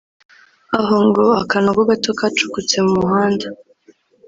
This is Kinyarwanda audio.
aho ngo “akanogo gato kacukutse mu muhanda